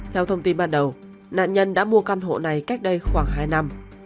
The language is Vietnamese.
theo thông tin ban đầu nạn nhân đã mua căn hộ này cách đây khoảng hai năm